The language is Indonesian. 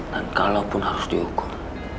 dan kalaupun harus dihukum